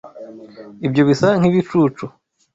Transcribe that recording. Ibyo bisa nkibicucu.